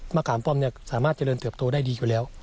ขามป้อมสามารถเจริญเติบโตได้ดีอยู่แล้ว